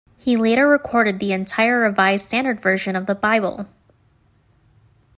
He later recorded the entire Revised Standard Version of the Bible.